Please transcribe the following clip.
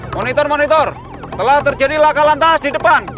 monitor monitor telah terjadi laka lantas di depan